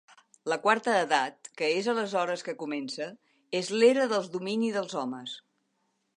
La Quarta Edat, que és aleshores que comença, és l'era del domini dels homes.